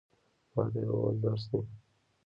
ما ته یې وویل، درس دی.